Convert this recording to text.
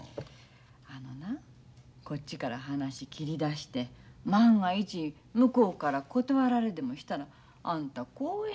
あのなこっちから話切り出して万が一向こうから断られでもしたらあんた興園寺家の恥や。